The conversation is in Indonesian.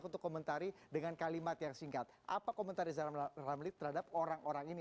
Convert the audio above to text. untuk komentari dengan kalimat yang singkat apa komentar rizal ramli terhadap orang orang ini